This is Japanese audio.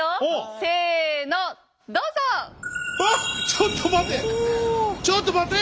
ちょっと待て！